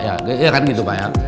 iya kan gitu pak